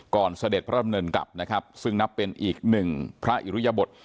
เสด็จพระดำเนินกลับนะครับซึ่งนับเป็นอีกหนึ่งพระอิริยบท